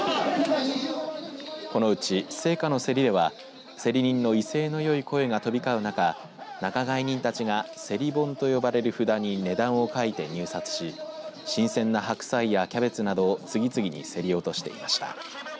このうち青果の競りでは競り人の威勢のよい声が飛び交う中仲買人たちがせり盆と呼ばれる札に値段を書いて入札し新鮮な白菜やキャベツなどを次々に競り落としていました。